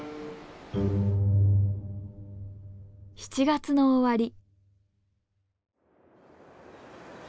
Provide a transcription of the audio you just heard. ７月の終わり。